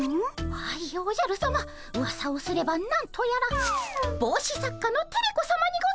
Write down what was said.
はいおじゃるさまうわさをすれば何とやらぼうし作家のテレ子さまにございます。